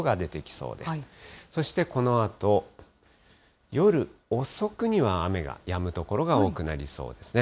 そしてこのあと、夜遅くには雨がやむ所が多くなりそうですね。